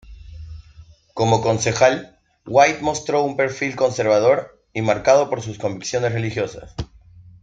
Como concejal, White mostró un perfil conservador y marcado por sus convicciones religiosas.